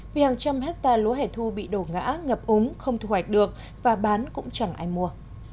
vì hàng trăm hectare lúa hẻ thu bị đổ ngã ngập úng không thu hoạch được và bán cũng chẳng ai mua